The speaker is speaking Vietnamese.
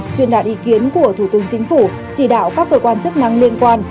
truyền đạt ý kiến của thủ tướng chính phủ chỉ đạo các cơ quan chức năng liên quan